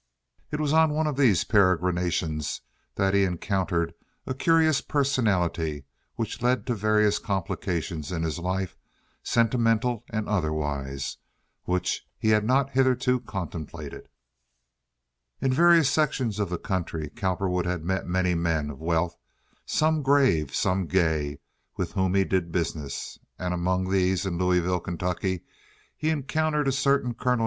It was on one of these peregrinations that he encountered a curious personality which led to various complications in his life, sentimental and otherwise, which he had not hitherto contemplated. In various sections of the country Cowperwood had met many men of wealth, some grave, some gay, with whom he did business, and among these in Louisville, Kentucky, he encountered a certain Col.